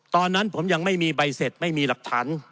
ตอนนั้นผมยังไม่มีใบเสร็จไม่มีหลักฐาน